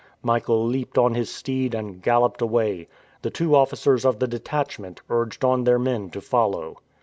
Michael leaped on his steed, and galloped away. The two officers of the detachment urged on their men to follow.